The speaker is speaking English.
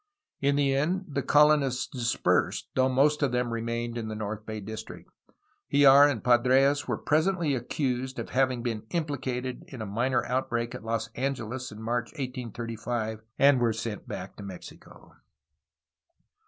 In the end the colonists dispersed, though most of them remained in the north bay district. Hijar and Padres were presently accused of having been implicated in a minor outbreak at Los Angeles in March 1835, and were sent back to Mexico.